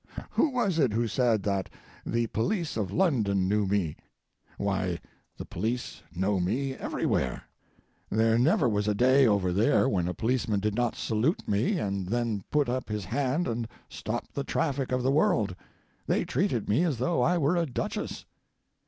Who was it who said that the police of London knew me? Why, the police know me everywhere. There never was a day over there when a policeman did not salute me, and then put up his hand and stop the traffic of the world. They treated me as though I were a duchess.